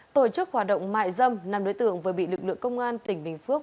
tổ chức hoạt động mại dâm nằm đối tượng với bị lực lượng công an tỉnh bình phước